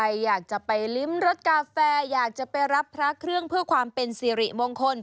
ใครอยากจะไปลิ้มรถกาแฟอยากจะไปรับพระเครื่องเพื่อความเป็นสิริมงคล